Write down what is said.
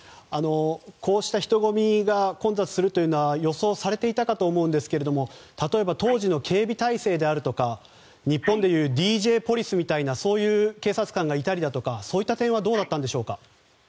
こうした人混みや混雑するというのは予想されていたかと思いますが例えば当時の警備態勢だとか日本でいうＤＪポリスみたいなそういう警察官がいたりだとかそういった点はどうだったんでしょうか。